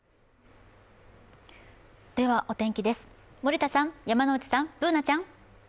では、お天気です、森田さん、山内さん、Ｂｏｏｎａちゃん。